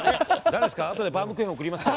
誰ですか？